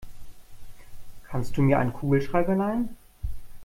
Kannst du mir einen Kugelschreiber leihen?